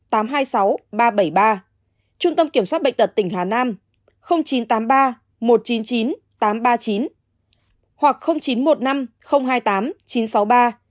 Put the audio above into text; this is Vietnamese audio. chín trăm tám mươi tám tám trăm hai mươi sáu ba trăm bảy mươi ba trung tâm kiểm soát bệnh tật tỉnh hà nam chín trăm tám mươi ba một trăm chín mươi chín tám trăm ba mươi chín hoặc chín trăm một mươi năm hai mươi tám chín trăm sáu mươi ba